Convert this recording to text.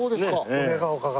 梅ヶ丘が。